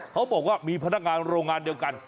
เขาบอกว่ามีพนักงานโรงงานเดียวกัน